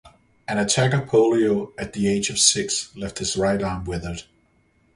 An attack of polio at the age of six left his right arm withered.